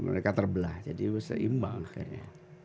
mereka terbelah jadi bisa imbang akhirnya